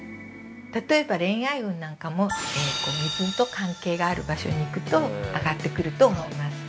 例えば恋愛運なんかも、水と関係のある場所に行くと、上がってくると思います。